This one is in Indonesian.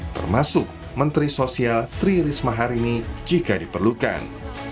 termasuk menteri sosial tri risma hari ini jika diperlukan